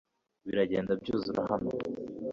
biragenda byuzura hano